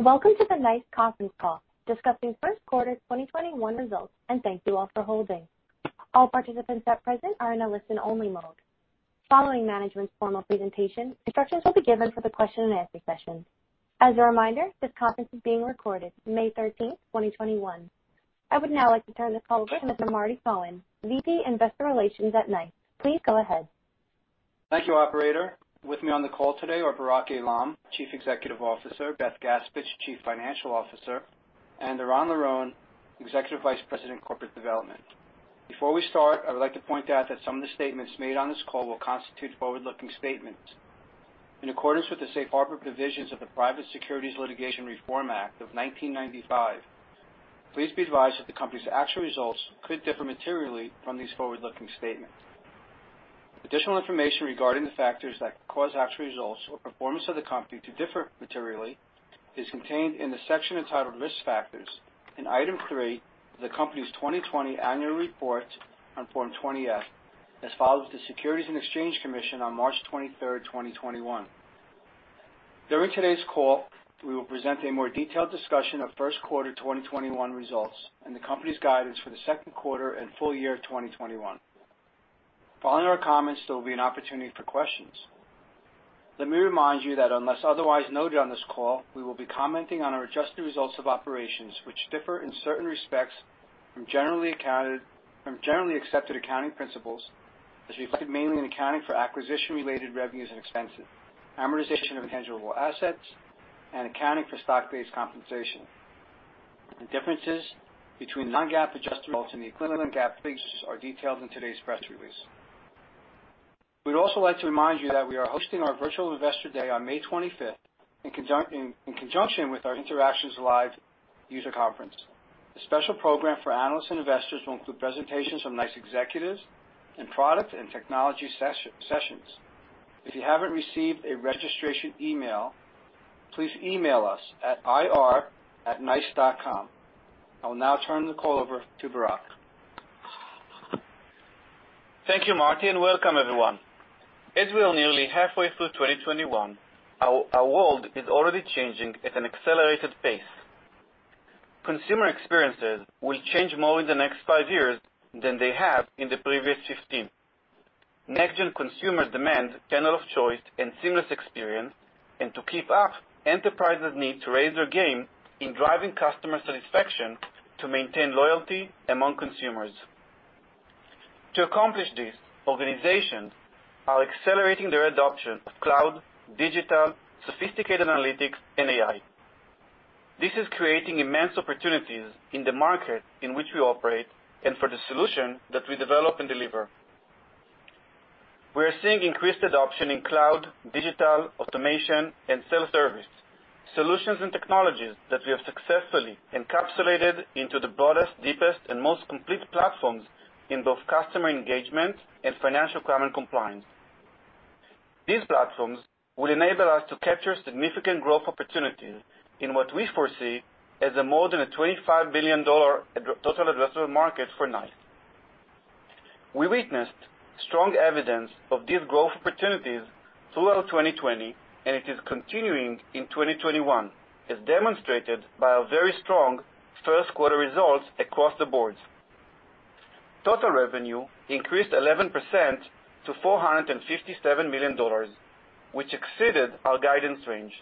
Welcome to the NICE conference call discussing first quarter 2021 results, and thank you all for holding. All participants that present are in a listen-only mode. Following management's formal presentation, instructions will be given for the question-and-answer session. As a reminder, this conference is being recorded. May 13, 2021. I would now like to turn this call over to Mr. Marty Cohen, VP, Investor Relations at NICE. Please go ahead. Thank you, operator. With me on the call today are Barak Eilam, Chief Executive Officer, Beth Gaspich, Chief Financial Officer, and Eran Liron, Executive Vice President, Corporate Development. Before we start, I would like to point out that some of the statements made on this call will constitute forward-looking statements. In accordance with the safe harbor provisions of the Private Securities Litigation Reform Act of 1995, please be advised that the company's actual results could differ materially from these forward-looking statements. Additional information regarding the factors that could cause actual results or performance of the company to differ materially is contained in the section entitled Risk Factors in Item three of the company's 2020 annual report on Form 20-F, as filed with the Securities and Exchange Commission on March 23rd, 2021. During today's call, we will present a more detailed discussion of first quarter 2021 results and the company's guidance for the second quarter and full year 2021. Following our comments, there will be an opportunity for questions. Let me remind you that unless otherwise noted on this call, we will be commenting on our adjusted results of operations, which differ in certain respects from Generally Accepted Accounting Principles, as reflected mainly in accounting for acquisition-related revenues and expenses, amortization of intangible assets, and accounting for stock-based compensation. The differences between non-GAAP adjusted results and the equivalent GAAP figures are detailed in today's press release. We'd also like to remind you that we are hosting our virtual Investor Day on May 25th in conjunction with our Interactions Live user conference. The special program for analysts and investors will include presentations from NICE executives and product and technology sessions. If you haven't received a registration email, please email us at ir@nice.com. I will now turn the call over to Barak. Thank you, Marty, and welcome everyone. As we are nearly halfway through 2021, our world is already changing at an accelerated pace. Consumer experiences will change more in the next five years than they have in the previous 15. Next gen consumer demands channel of choice and seamless experience. To keep up, enterprises need to raise their game in driving customer satisfaction to maintain loyalty among consumers. To accomplish this, organizations are accelerating their adoption of cloud, digital, sophisticated analytics, and AI. This is creating immense opportunities in the market in which we operate and for the solution that we develop and deliver. We are seeing increased adoption in cloud, digital, automation, and self-service. Solutions and technologies that we have successfully encapsulated into the broadest, deepest, and most complete platforms in both customer engagement and financial crime, and compliance. These platforms will enable us to capture significant growth opportunities in what we foresee as a more than a $25 billion total addressable market for NICE. We witnessed strong evidence of these growth opportunities throughout 2020, and it is continuing in 2021, as demonstrated by our very strong first quarter results across the board. Total revenue increased 11% to $457 million, which exceeded our guidance range.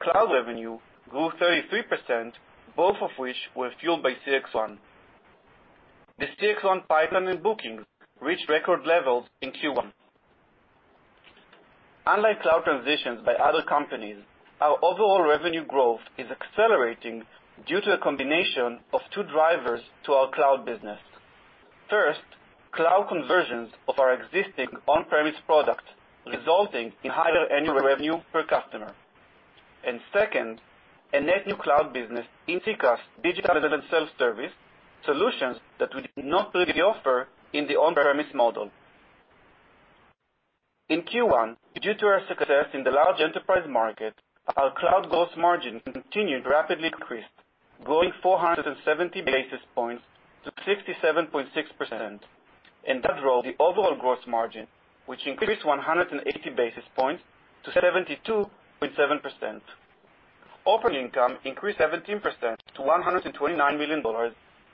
Cloud revenue grew 33%, both of which were fueled by CXone. The CXone pipeline and bookings reached record levels in Q1. Unlike cloud transitions by other companies, our overall revenue growth is accelerating due to a combination of two drivers to our cloud business. First, cloud conversions of our existing on-premise product, resulting in higher annual revenue per customer. Second, a net new cloud business in CX, digital and self-service solutions that we did not previously offer in the on-premise model. In Q1, due to our success in the large enterprise market, our cloud gross margin continued to rapidly increase, growing 470 basis points to 67.6%. That drove the overall gross margin, which increased 180 basis points to 72.7%. Operating income increased 17% to $129 million,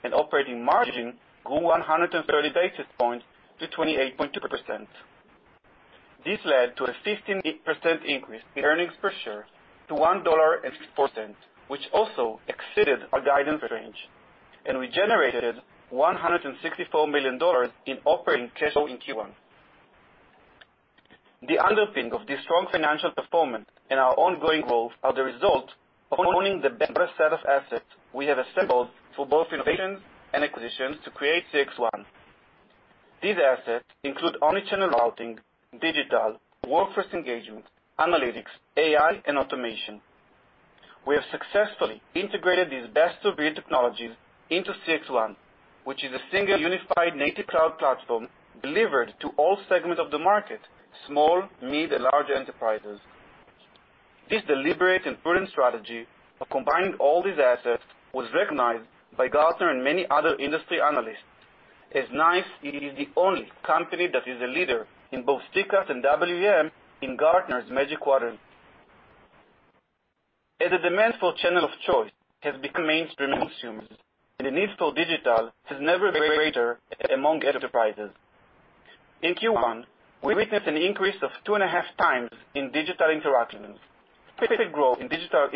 and operating margin grew 130 basis points to 28.2%. This led to a 15% increase in earnings per share to $1.6%, which also exceeded our guidance range. We generated $164 million in operating cash flow in Q1. The underpinning of this strong financial performance and our ongoing growth are the result of owning the best set of assets we have assembled for both innovations and acquisitions to create CXone. These assets include omni-channel routing, digital, workforce engagement, analytics, AI, and automation. We have successfully integrated these best-of -breed technologies into CXone, which is a single unified native cloud platform delivered to all segments of the market, small, mid, and large enterprises. This deliberate and prudent strategy of combining all these assets was recognized by Gartner and many other industry analysts. NICE is the only company that is a leader in both CCaaS and WEM in Gartner's Magic Quadrant. As the demand for channel of choice has become mainstream, and the need for digital has never been greater among enterprises. In Q1, we witnessed an increase of 2.5 times in digital interactions. Growth in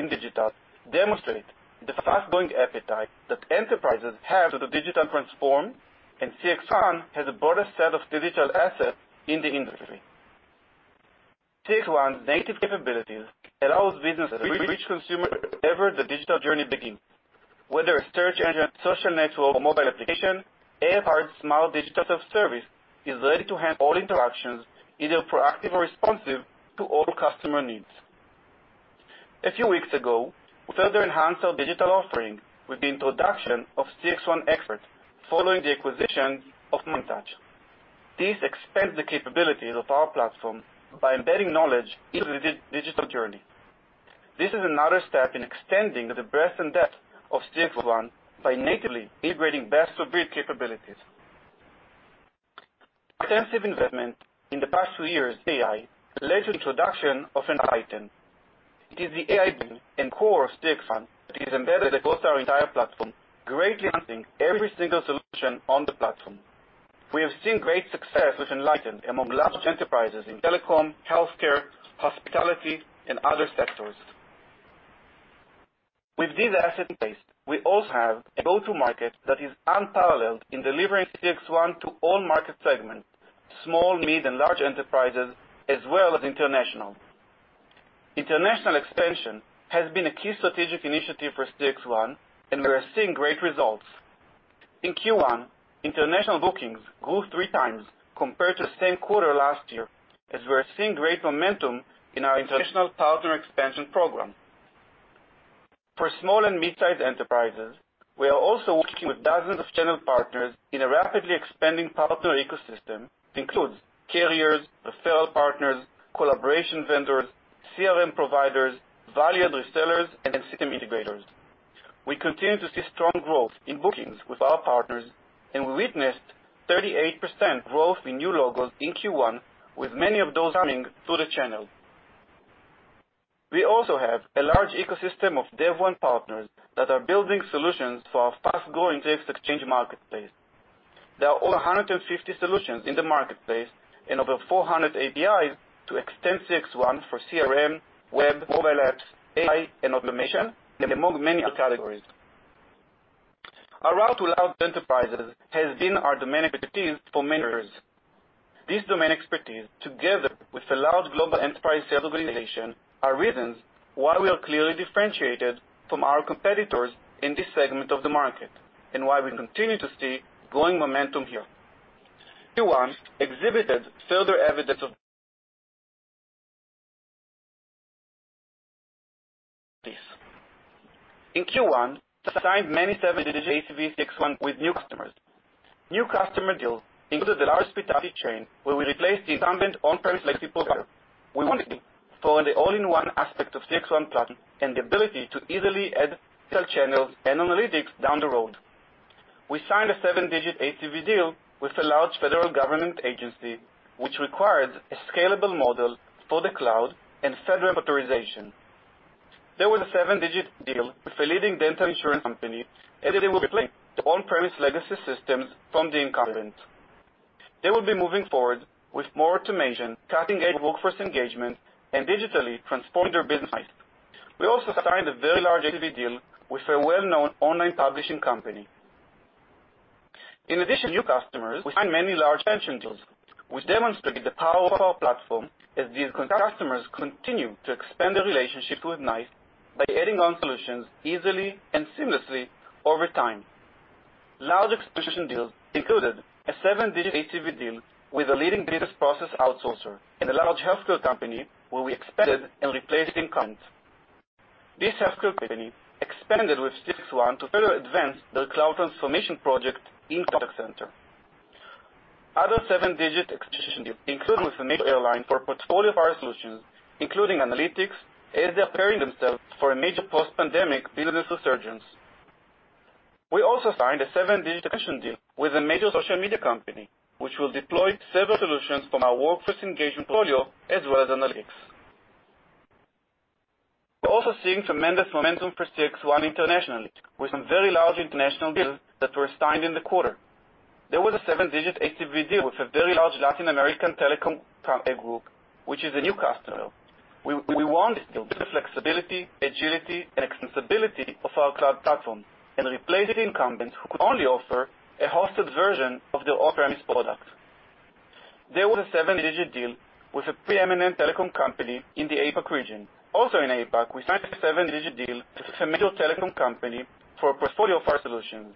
digital demonstrates the fast-growing appetite that enterprises have for the digital transformation, and CXone has the broadest set of digital assets in the industry. CXone's native capabilities allow businesses to reach consumers wherever the digital journey begins. Whether a search engine, social network, or mobile application, AI-powered smart digital self-service is ready to handle all interactions, either proactive or responsive, to all customer needs. A few weeks ago, we further enhanced our digital offering with the introduction of CXone Expert following the acquisition of MindTouch. This expands the capabilities of our platform by embedding knowledge into the digital journey. This is another step in extending the breadth and depth of CXone by natively integrating best-of-breed capabilities. Extensive investment in the past few years, AI, led to the introduction of Enlighten AI. It is the AI brain and core of CXone that is embedded across our entire platform, greatly enhancing every single solution on the platform. We have seen great success with Enlighten AI among large enterprises in telecom, healthcare, hospitality, and other sectors. With this asset in place, we also have a go-to-market that is unparalleled in delivering CXone to all market segments, small, mid, and large enterprises, as well as international. International expansion has been a key strategic initiative for CXone, and we are seeing great results. In Q1, international bookings grew three times compared to the same quarter last year, as we're seeing great momentum in our international partner expansion program. For small and mid-sized enterprises, we are also working with dozens of channel partners in a rapidly expanding partner ecosystem that includes carriers, referral partners, collaboration vendors, CRM providers, value-add resellers, and system integrators. We continue to see strong growth in bookings with our partners, and we witnessed 38% growth in new logos in Q1, with many of those coming through the channel. We also have a large ecosystem of DEVone partners that are building solutions for our fast-growing CXexchange Marketplace. There are over 150 solutions in the marketplace and over 400 APIs to extend CXone for CRM, web, mobile apps, AI, and automation, among many other categories. Our route to large enterprises has been our domain expertise for many years. This domain expertise, together with a large global enterprise sales organization, are reasons why we are clearly differentiated from our competitors in this segment of the market and why we continue to see growing momentum here. Q1 exhibited further evidence of this. In Q1, we signed many seven-digit ACV CXone with new customers. New customer deals included a large pizza chain, where we replaced the incumbent on-premise legacy provider. We won this deal for the all-in-one aspect of CXone platform and the ability to easily add digital channels and analytics down the road. We signed a seven-digit ACV deal with a large federal government agency, which required a scalable model for the cloud and FedRAMP authorization. There was a seven-digit deal with a leading dental insurance company, as they will replace their on-premise legacy systems from the incumbent. They will be moving forward with more automation, cutting-edge workforce engagement, and digitally transforming their business. We also signed a very large ACV deal with a well-known online publishing company. In addition to new customers, we signed many large expansion deals, which demonstrated the power of our platform as these customers continue to expand their relationship with NICE by adding on solutions easily and seamlessly over time. Large expansion deals included a seven-digit ACV deal with a leading business process outsourcer and a large healthcare company, where we expanded and replaced incumbents. This healthcare company expanded with CXone to further advance their cloud transformation project in contact center. Other seven-digit expansion deals included with a major airline for a portfolio of our solutions, including analytics, as they're preparing themselves for a major post-pandemic business resurgence. We also signed a seven-digit expansion deal with a major social media company, which will deploy several solutions from our workforce engagement portfolio, as well as analytics. We're also seeing tremendous momentum for CXone internationally, with some very large international deals that were signed in the quarter. There was a seven-digit ACV deal with a very large Latin American telecom group, which is a new customer. We won this deal with the flexibility, agility, and extensibility of our cloud platform and replaced the incumbents who could only offer a hosted version of their on-premise product. There was a seven-digit deal with a preeminent telecom company in the APAC region. In APAC, we signed a seven-digit deal with a major telecom company for a portfolio of our solutions.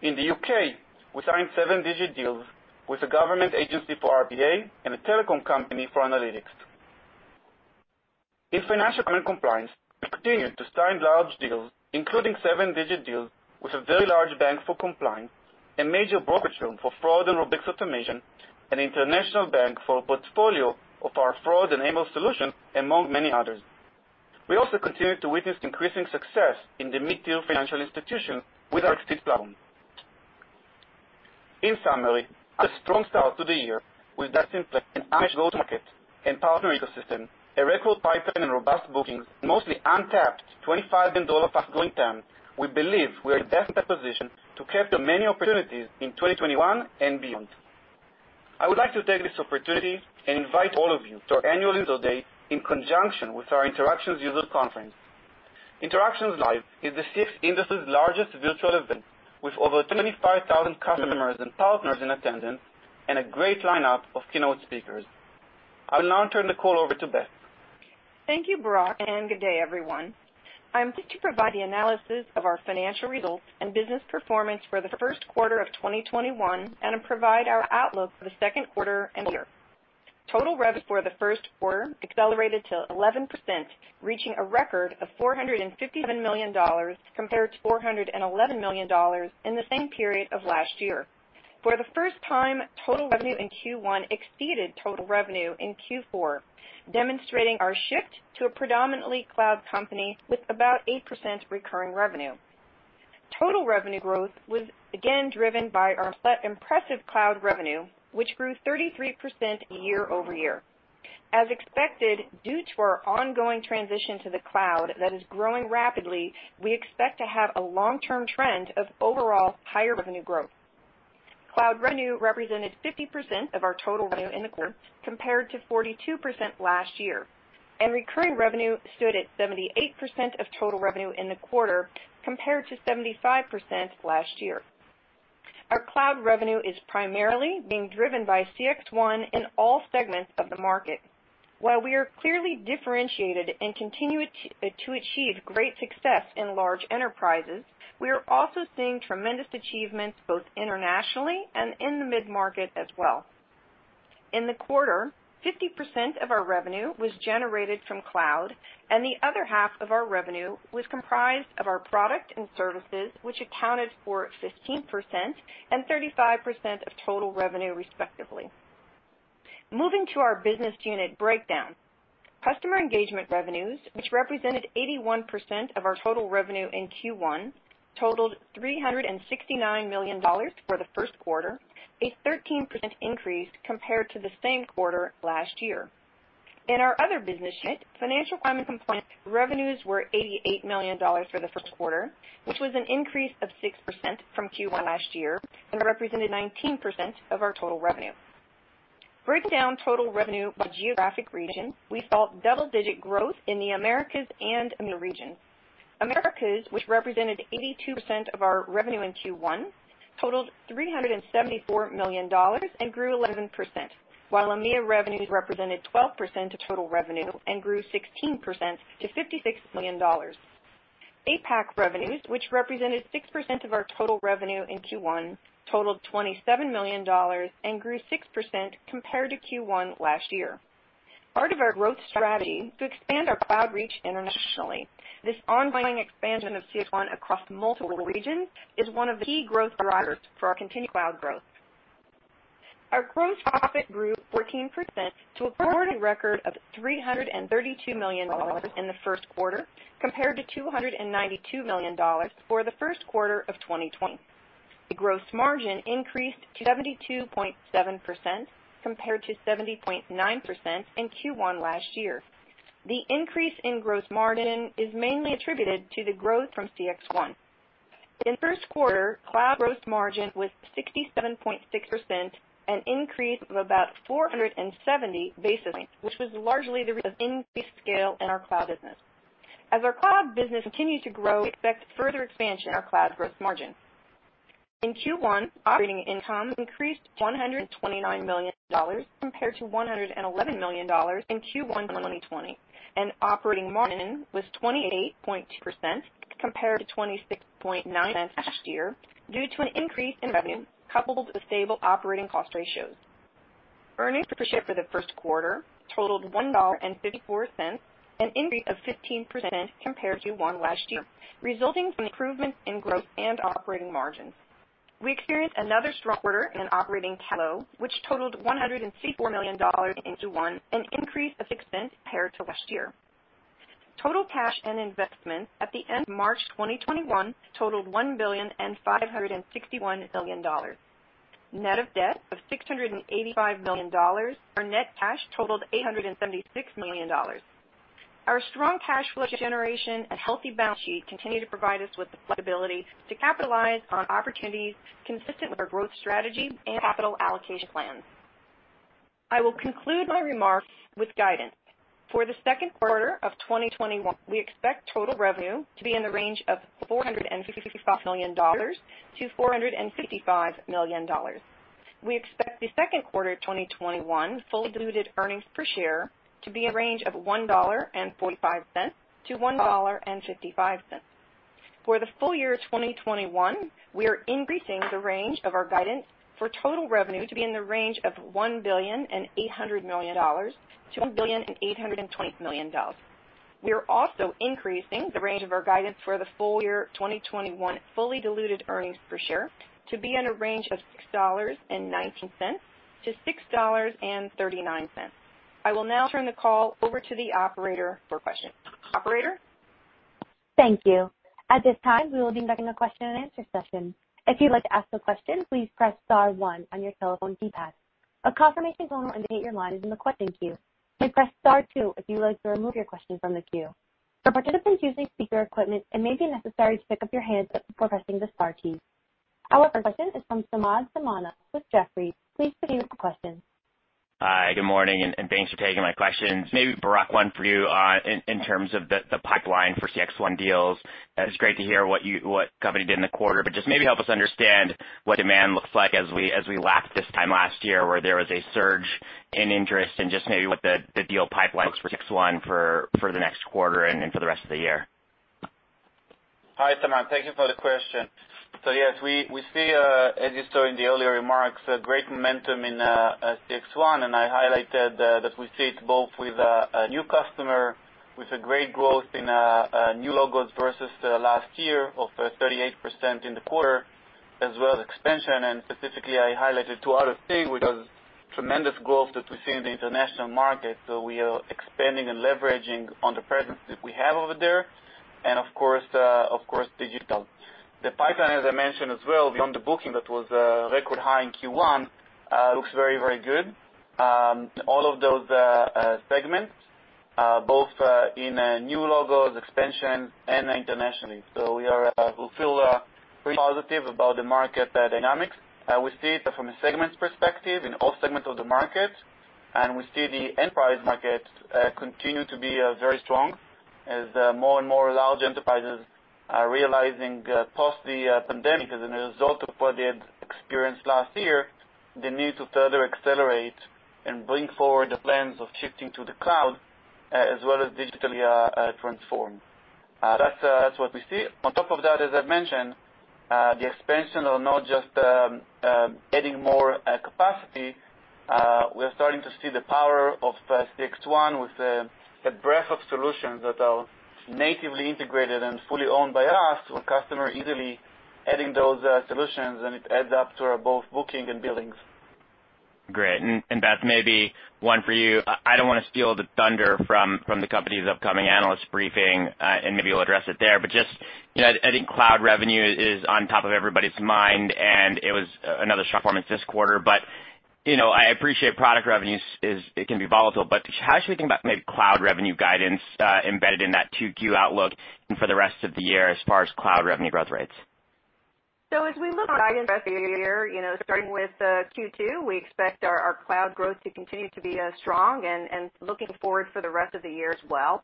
In the U.K., we signed seven-digit deals with a government agency for RPA and a telecom company for analytics. In financial crime and compliance, we continued to sign large deals, including seven-digit deals with a very large bank for compliance, a major brokerage firm for fraud and robotics automation, an international bank for a portfolio of our fraud and AML solutions, among many others. We also continue to witness increasing success in the mid-tier financial institutions with our platform. In summary, a strong start to the year with that in place, and our go-to-market and partner ecosystem, a record pipeline and robust bookings, mostly untapped $25+ billion growing TAM, we believe we are best positioned to capture many opportunities in 2021 and beyond. I would like to take this opportunity and invite all of you to our annual User Day in conjunction with our Interactions User Conference. Interactions Live is the CX industry's largest virtual event, with over 25,000 customers and partners in attendance and a great lineup of keynote speakers. I will now turn the call over to Beth. Thank you, Barak, and good day, everyone. I'm here to provide the analysis of our financial results and business performance for the first quarter of 2021 and provide our outlook for the second quarter and the year. Total revenue for the first quarter accelerated to 11%, reaching a record of $457 million compared to $411 million in the same period of last year. For the first time, total revenue in Q1 exceeded total revenue in Q4, demonstrating our shift to a predominantly cloud company with about 8% recurring revenue. Total revenue growth was again driven by our impressive cloud revenue, which grew 33% year-over-year. As expected, due to our ongoing transition to the cloud that is growing rapidly, we expect to have a long-term trend of overall higher revenue growth. Cloud revenue represented 50% of our total revenue in the quarter, compared to 42% last year. Recurring revenue stood at 78% of total revenue in the quarter, compared to 75% last year. Our cloud revenue is primarily being driven by CXone in all segments of the market. While we are clearly differentiated and continue to achieve great success in large enterprises, we are also seeing tremendous achievements both internationally and in the mid-market as well. In the quarter, 50% of our revenue was generated from cloud. The other 1/2 of our revenue was comprised of our product and services, which accounted for 15% and 35% of total revenue, respectively. Moving to our business unit breakdown. Customer engagement revenues, which represented 81% of our total revenue in Q1, totaled $369 million for the first quarter, a 13% increase compared to the same quarter last year. In our other business unit, financial crime and compliance revenues were $88 million for the first quarter, which was an increase of 6% from Q1 last year and represented 19% of our total revenue. Breaking down total revenue by geographic region, we saw double-digit growth in the Americas and EMEA region. Americas, which represented 82% of our revenue in Q1, totaled $374 million and grew 11%, while EMEA revenues represented 12% of total revenue and grew 16% to $56 million. APAC revenues, which represented 6% of our total revenue in Q1, totaled $27 million and grew 6% compared to Q1 last year. Part of our growth strategy to expand our cloud reach internationally, this ongoing expansion of CXone across multiple regions is one of the key growth drivers for our continued cloud growth. Our gross profit grew 14% to a recorded record of $332 million in the first quarter, compared to $292 million for the first quarter of 2020. The gross margin increased to 72.7%, compared to 70.9% in Q1 last year. The increase in gross margin is mainly attributed to the growth from CXone. In the first quarter, cloud gross margin was 67.6%, an increase of about 470 basis points, which was largely the result of increased scale in our cloud business. As our cloud business continues to grow, we expect further expansion of our cloud gross margin. In Q1, operating income increased to $129 million compared to $111 million in Q1 2020, and operating margin was 28.2% compared to 26.9% last year due to an increase in revenue coupled with stable operating cost ratios. Earnings per share for the first quarter totaled $1.54, an increase of 15% compared to Q1 last year, resulting from improvements in gross and operating margins. We experienced another strong quarter in operating cash flow, which totaled $164 million in Q1, an increase of 6% compared to last year. Total cash and investments at the end of March 2021 totaled $1,561 million. Net of debt of $685 million. Our net cash totaled $876 million. Our strong cash flow generation and healthy balance sheet continue to provide us with the flexibility to capitalize on opportunities consistent with our growth strategy and capital allocation plans. I will conclude my remarks with guidance. For the second quarter of 2021, we expect total revenue to be in the range of $455 million-$465 million. We expect the second quarter 2021 fully diluted earnings per share to be in a range of $1.45-$1.55. For the full year 2021, we are increasing the range of our guidance for total revenue to be in the range of $1.8 billion-$1.82 billion. We are also increasing the range of our guidance for the full year 2021 fully diluted earnings per share to be in a range of $6.19-$6.39. I will now turn the call over to the Operator for questions. Operator? Our first question is from Samad Samana with Jefferies. Please proceed with your question. Hi, good morning, and thanks for taking my questions. Maybe, Barak, one for you in terms of the pipeline for CXone deals. It's great to hear what company did in the quarter, but just maybe help us understand what demand looks like as we lap this time last year where there was a surge in interest and just maybe what the deal pipeline looks for CXone for the next quarter and for the rest of the year? Hi, Samad, thank you for the question. Yes, we see, as you saw in the earlier remarks, a great momentum in CXone, and I highlighted that we see it both with a new customer, with a great growth in new logos versus the last year of 38% in the quarter, as well as expansion, and specifically, I highlighted two other things, which was tremendous growth that we see in the international market. We are expanding and leveraging on the presence that we have over there, and of course, digital. The pipeline, as I mentioned as well, beyond the booking that was record high in Q1, looks very, very good. All of those segments, both in new logos, expansion, and internationally. We feel pretty positive about the market dynamics. We see it from a segments perspective in all segments of the market, and we see the enterprise market continue to be very strong as more and more large enterprises are realizing post the pandemic, as a result of what they had experienced last year, the need to further accelerate and bring forward the plans of shifting to the cloud, as well as digitally transform. That's what we see. On top of that, as I've mentioned, the expansion of not just adding more capacity. We're starting to see the power of CXone with the breadth of solutions that are natively integrated and fully owned by us, so a customer easily adding those solutions, and it adds up to both booking and billings. Great. Beth, maybe one for you. I don't want to steal the thunder from the company's upcoming analyst briefing, and maybe you'll address it there. Just, I think cloud revenue is on top of everybody's mind, and it was another strong performance this quarter. I appreciate product revenues, it can be volatile, but how should we think about maybe cloud revenue guidance embedded in that 2Q outlook and for the rest of the year as far as cloud revenue growth rates? As we look at guidance for the year, starting with Q2, we expect our cloud growth to continue to be strong and looking forward for the rest of the year as well.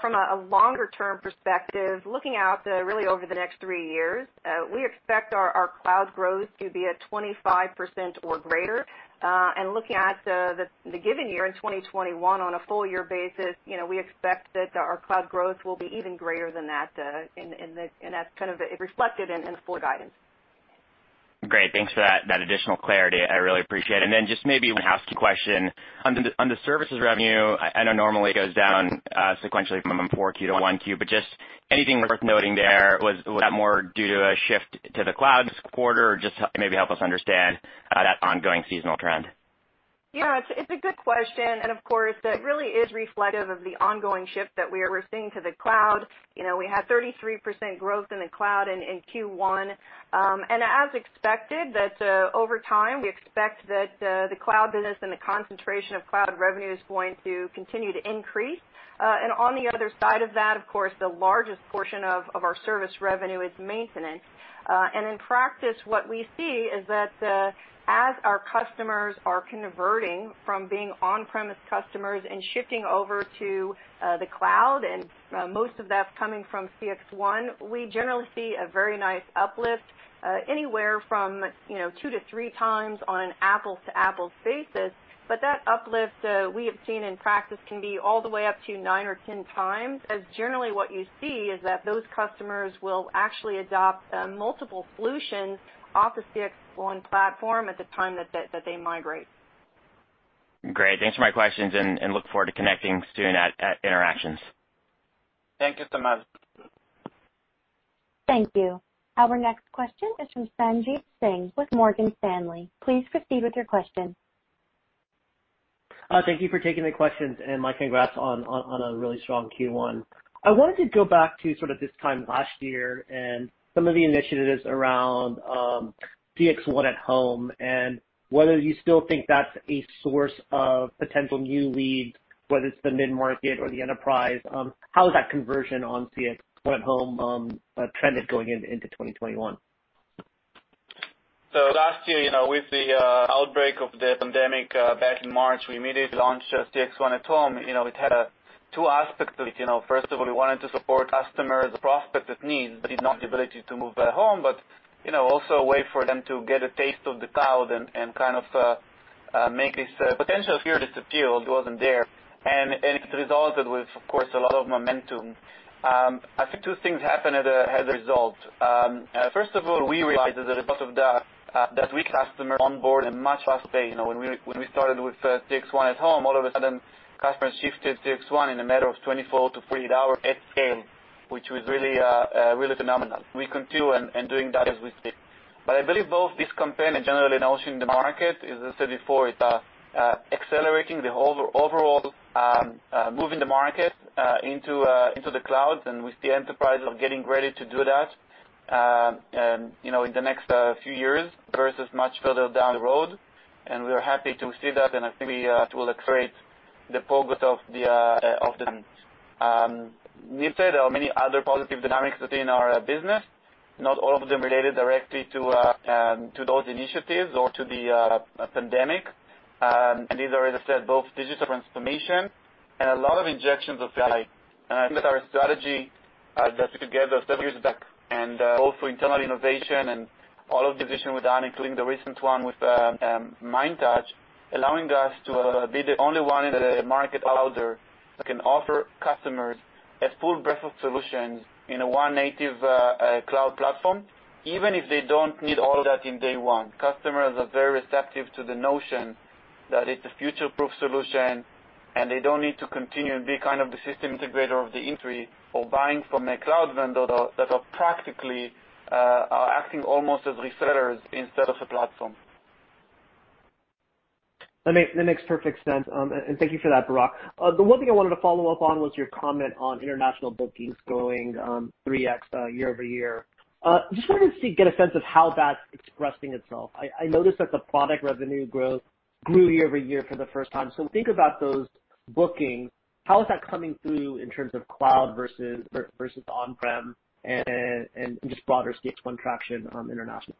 From a longer-term perspective, looking out really over the next three years, we expect our cloud growth to be at 25% or greater. Looking at the given year in 2021 on a full-year basis, we expect that our cloud growth will be even greater than that, and that's kind of reflected in the full guidance. Great. Thanks for that additional clarity. I really appreciate it. Then just maybe one housekeeping question. On the services revenue, I know normally it goes down sequentially from 4Q to 1Q, but just anything worth noting there? Was that more due to a shift to the cloud this quarter or just maybe help us understand that ongoing seasonal trend? Yeah. It's a good question. Of course, that really is reflective of the ongoing shift that we are seeing to the cloud. We had 33% growth in the cloud in Q1. As expected, that over time, we expect that the cloud business and the concentration of cloud revenue is going to continue to increase. On the other side of that, of course, the largest portion of our service revenue is maintenance. In practice, what we see is that as our customers are converting from being on-premise customers and shifting over to the cloud, and most of that's coming from CXone, we generally see a very nice uplift, anywhere from two to three times on an apples-to-apples basis. That uplift, we have seen in practice, can be all the way up to nine or 10 times, as generally what you see is that those customers will actually adopt multiple solutions off the CXone platform at the time that they migrate. Great. Thanks for my questions and look forward to connecting soon at Interactions. Thank you, Samad. Thank you. Our next question is from Sanjit Singh with Morgan Stanley. Please proceed with your question. Thank you for taking the questions, and my congrats on a really strong Q1. I wanted to go back to sort of this time last year and some of the initiatives around CXone@home and whether you still think that's a source of potential new leads, whether it's the mid-market or the enterprise. How has that conversion on CXone@home trended going into 2021? Last year, with the outbreak of the pandemic back in March, we immediately launched CXone@home. It had two aspects to it. First of all, we wanted to support customers' prospect needs, but did not have the ability to move at home, but also a way for them to get a taste of the cloud and kind of make this potential fear disappear that wasn't there. It resulted with, of course, a lot of momentum. I think two things happened as a result. First of all, we realized as a result of that we customer onboard in a much faster way. When we started with CXone@home, all of a sudden customers shifted to CXone in a matter of 24-48 hours at scale, which was really phenomenal. We continue in doing that as we speak. I believe both this campaign and generally announcing the market, as I said before, it's accelerating the overall moving the market into the cloud, and we see enterprises are getting ready to do that in the next few years versus much further down the road. We're happy to see that, and I think it will accelerate the progress of the newsfeed. There are many other positive dynamics within our business, not all of them related directly to those initiatives or to the pandemic. These are, as I said, both digital transformation and a lot of injections of AI. I think that our strategy that we put together several years back and also internal innovation and all of the innovation we've done, including the recent one with MindTouch, allowing us to be the only one in the market out there that can offer customers a full breadth of solutions in one native cloud platform, even if they don't need all of that in day one. Customers are very receptive to the notion that it's a future-proof solution and they don't need to continue and be kind of the system integrator of the entry for buying from a cloud vendor that are practically are acting almost as resellers instead of a platform. That makes perfect sense. Thank you for that, Barak. The one thing I wanted to follow up on was your comment on international bookings growing 3x year-over-year. I wanted to get a sense of how that's expressing itself. I noticed that the product revenue growth grew year-over-year for the first time. Think about those bookings. How is that coming through in terms of cloud versus on-prem and just broader stage one traction internationally?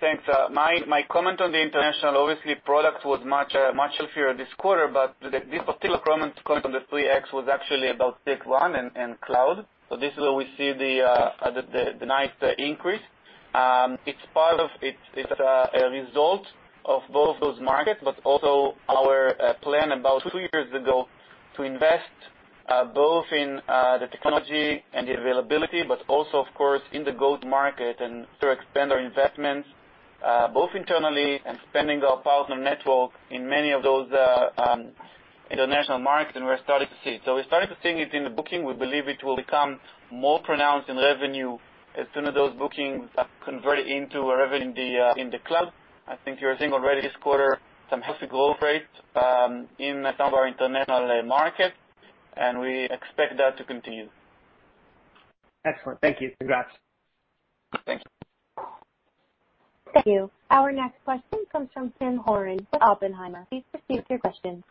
Thanks. My comment on the international, obviously, product was much healthier this quarter, but this particular comment on the 3x was actually about CXone and cloud. This is where we see the NICE increase. It's a result of both those markets, but also our plan about two years ago to invest both in the technology and the availability, but also, of course, in the go-to-market and to expand our investments, both internally and expanding our partner network in many of those international markets, and we're starting to see it. We're starting to see it in the booking. We believe it will become more pronounced in revenue as soon as those bookings are converted into revenue in the cloud. I think you're seeing already this quarter some healthy growth rates in some of our international markets, and we expect that to continue. Excellent. Thank you. Congrats. Thank you. Thank you. Our next question comes from Tim Horan with Oppenheimer. Please proceed with your question.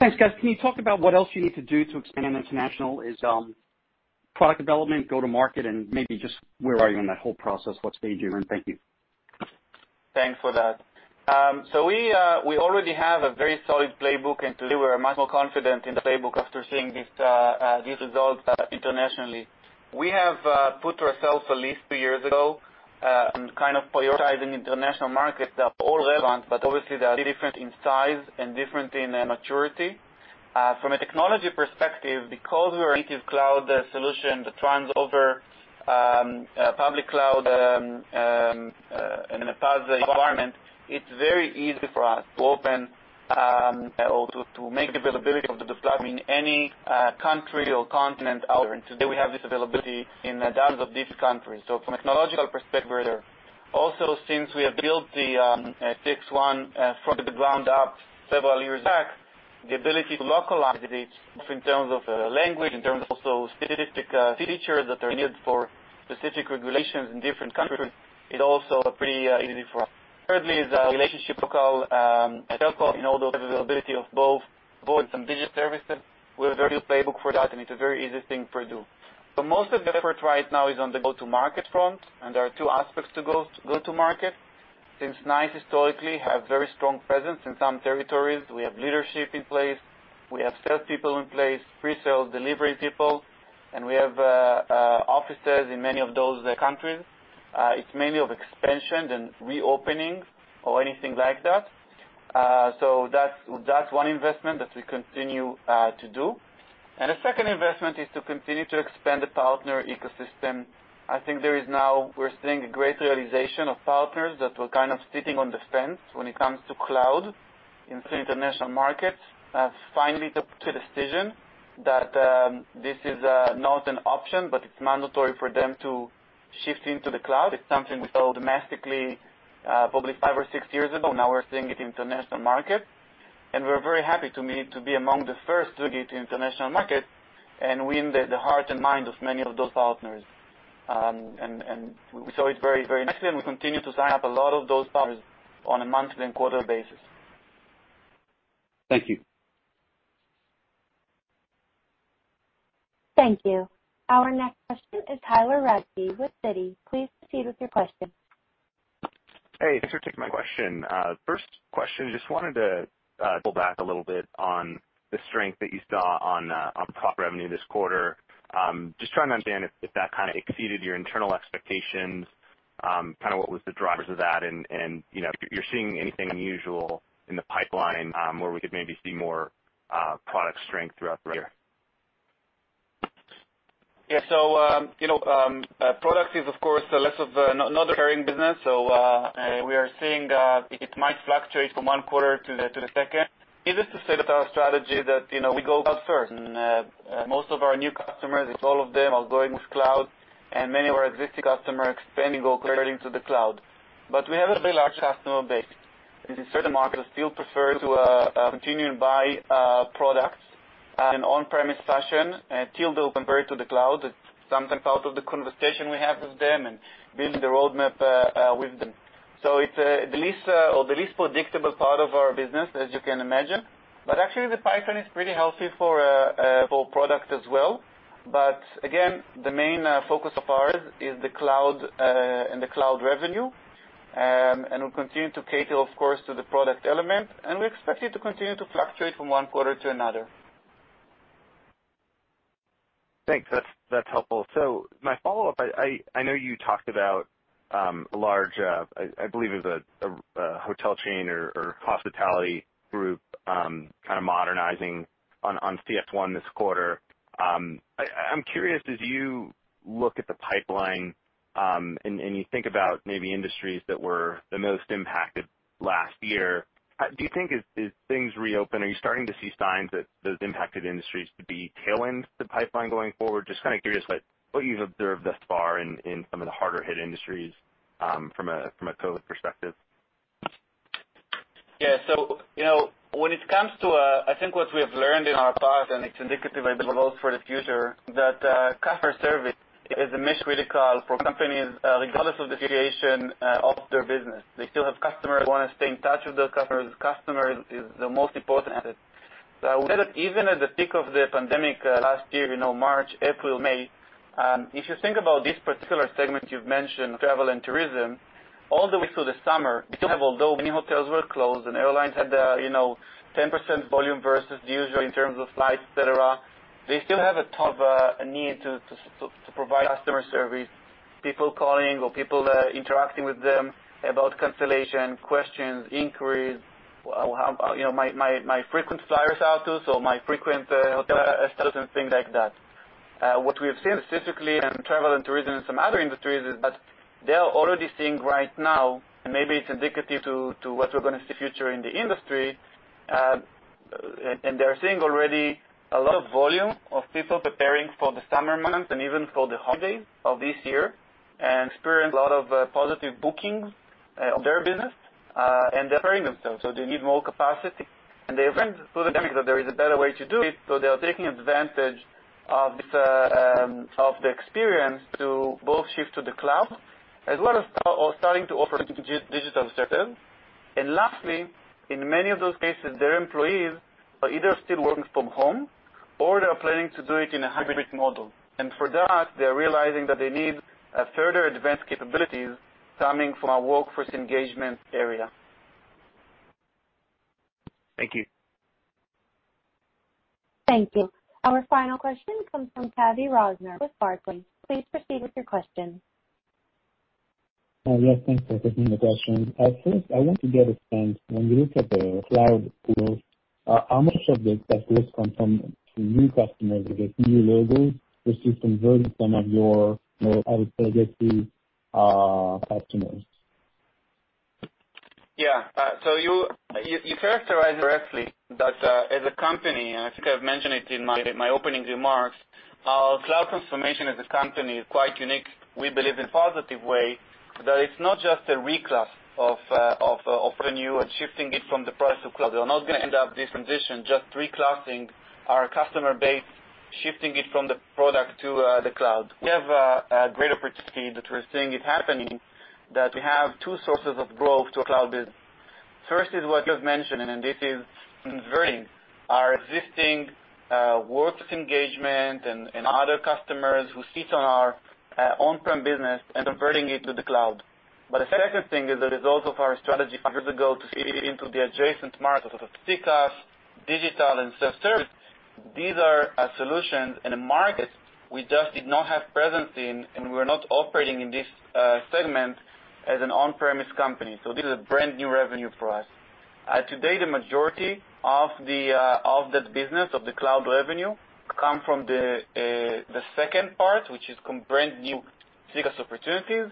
Thanks, guys. Can you talk about what else you need to do to expand international? Is product development, go to market, and maybe just where are you in that whole process, what stage you're in? Thank you. Thanks for that. We already have a very solid playbook, and today we're much more confident in the playbook after seeing these results internationally. We have put ourselves, at least two years ago, on kind of prioritizing international markets that are all relevant, but obviously they are different in size and different in maturity. From a technology perspective, because we're a native cloud solution that runs over public cloud and in a PaaS environment, it's very easy for us to open or to make the availability of the platform in any country or continent out there. Today, we have this availability in dozens of these countries. From a technological perspective, we're there. Also, since we have built the CXone from the ground up several years back, the ability to localize it, both in terms of language, in terms of also specific features that are needed for specific regulations in different countries, is also pretty easy for us. Thirdly, is our relationship with local telco and all those availability of both voice and data services. We have a very good playbook for that, it's a very easy thing to do. Most of the effort right now is on the go-to-market front, there are two aspects to go-to-market. Since NICE historically have very strong presence in some territories, we have leadership in place, we have sales people in place, pre-sales, delivery people, we have offices in many of those countries. It's mainly of expansion than reopenings or anything like that. That's one investment that we continue to do. The second investment is to continue to expand the partner ecosystem. We're seeing a great realization of partners that were kind of sitting on the fence when it comes to cloud in some international markets, have finally took the decision that this is not an option, but it's mandatory for them to shift into the cloud. It's something we saw domestically probably five or six years ago. We're seeing it international market, and we're very happy to be among the first to get international market and win the heart and mind of many of those partners. We saw it very nicely, and we continue to sign up a lot of those partners on a monthly and quarterly basis. Thank you. Thank you. Our next question is Tyler Radke with Citi. Please proceed with your question. Hey, thanks for taking my question. First question, just wanted to go back a little bit on the strength that you saw on product revenue this quarter. Just trying to understand if that kind of exceeded your internal expectations, kind of what was the drivers of that and, if you're seeing anything unusual in the pipeline where we could maybe see more product strength throughout the year? Product is of course, less of another carrying business, so we are seeing that it might fluctuate from one quarter to the second. Needless to say, that our strategy that we go cloud first. Most of our new customers, if all of them are going with cloud, and many of our existing customers expanding, are converting to the cloud. We have a very large customer base. In certain markets, still prefer to continue to buy products in an on-premise fashion, till they'll compare it to the cloud. It's sometimes part of the conversation we have with them and building the roadmap with them. It's the least unpredictable part of our business, as you can imagine. Actually, the pipeline is pretty healthy for product as well. Again, the main focus of ours is the cloud and the cloud revenue. We'll continue to cater, of course, to the product element, and we expect it to continue to fluctuate from one quarter to another. Thanks. That's helpful. My follow-up, I know you talked about a large, I believe it was a hotel chain or hospitality group, kind of modernizing on CXone this quarter. I'm curious, as you look at the pipeline, and you think about maybe industries that were the most impacted last year, do you think as things reopen, are you starting to see signs that those impacted industries could be tailing the pipeline going forward? Just kind of curious what you've observed thus far in some of the harder hit industries from a COVID perspective. When it comes to, I think what we have learned in our past, and it's indicative, I believe, also for the future, that customer service is a mission critical for companies, regardless of the deviation of their business. They still have customers who want to stay in touch with those customers. Customer is the most important asset. Even at the peak of the pandemic last year, March, April, May, if you think about this particular segment you've mentioned, travel and tourism, all the way through the summer, we still have, although many hotels were closed and airlines had 10% volume versus the usual in terms of flights, et cetera, they still have a ton of a need to provide customer service, people calling or people interacting with them about cancellation, questions, inquiries, or, My frequent flyers status or my frequent hotel status, and things like that. What we have seen specifically in travel and tourism and some other industries is that they are already seeing right now, and maybe it's indicative to what we're going to see future in the industry, and they're seeing already a lot of volume of people preparing for the summer months and even for the holidays of this year and experience a lot of positive bookings of their business, and they're preparing themselves, so they need more capacity. They have learned through the pandemic that there is a better way to do it, so they are taking advantage of the experience to both shift to the cloud as well as starting to offer digital services. Lastly, in many of those cases, their employees are either still working from home or they are planning to do it in a hybrid model. For that, they are realizing that they need further advanced capabilities coming from our workforce engagement area. Thank you. Thank you. Our final question comes from Tavy Rosner with Barclays. Please proceed with your question. Yes, thanks for taking the question. First, I want to get a sense, when you look at the cloud pools, how much of this business comes from new customers or just new logos versus converting some of your, I would say, legacy customers? You characterize correctly that as a company, and I think I've mentioned it in my opening remarks, our cloud transformation as a company is quite unique. We believe in a positive way that it's not just a re-class of revenue and shifting it from the product to cloud. We're not going to end up this transition just reclassing our customer base, shifting it from the product to the cloud. We have a great opportunity that we're seeing it happening, that we have two sources of growth to a cloud business. First is what you've mentioned, and this is converting our existing workforce engagement and other customers who sit on our on-prem business and converting it to the cloud. The second thing is the result of our strategy five years ago to feed into the adjacent markets of CCaaS, digital, and self-service. These are solutions in a market we just did not have presence in, and we're not operating in this segment as an on-premise company. This is a brand new revenue for us. To date, the majority of that business, of the cloud revenue, come from the second part, which is brand new CCaaS opportunities.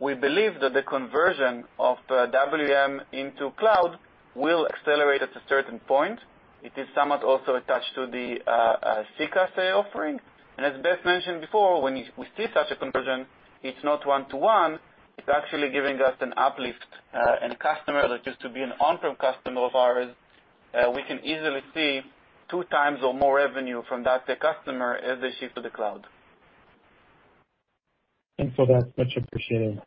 We believe that the conversion of WEM into cloud will accelerate at a certain point. It is somewhat also attached to the CCaaS sale offering. As Beth mentioned before, when we see such a conversion, it's not one to one. It's actually giving us an uplift. A customer that used to be an on-prem customer of ours, we can easily see two times or more revenue from that same customer as they shift to the cloud. Thanks for that. Much appreciated.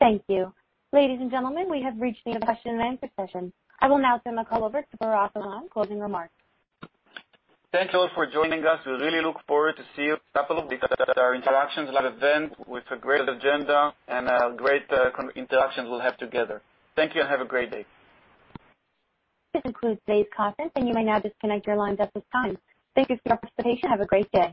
Thank you. Ladies and gentlemen, we have reached the end of the question and answer session. I will now turn the call over to Barak Eilam closing remarks. Thanks all for joining us. We really look forward to seeing you in a couple of weeks at our Interactions Live event with a great agenda and great interactions we'll have together. Thank you and have a great day. This concludes today's conference, and you may now disconnect your lines at this time. Thank you for your participation. Have a great day.